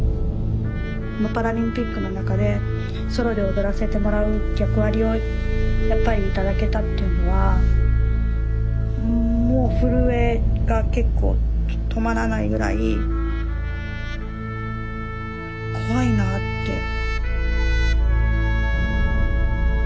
このパラリンピックの中でソロで踊らせてもらう役割をやっぱり頂けたっていうのはうんもう震えが結構止まらないぐらい怖いなって。